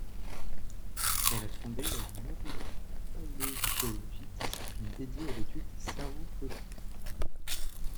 Elle a fondé la neuropaléontologie, discipline dédiée à l'étude des cerveaux fossiles.